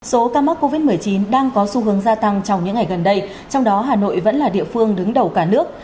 số ca mắc covid một mươi chín đang có xu hướng gia tăng trong những ngày gần đây trong đó hà nội vẫn là địa phương đứng đầu cả nước